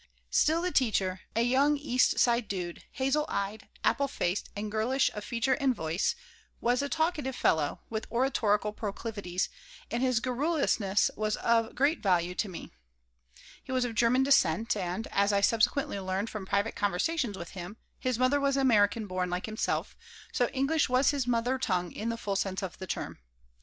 Still, the teacher a young East Side dude, hazel eyed, apple faced, and girlish of feature and voice was a talkative fellow, with oratorical proclivities, and his garrulousness was of great value to me. He was of German descent and, as I subsequently learned from private conversations with him, his mother was American born, like himself, so English was his mother tongue in the full sense of the term.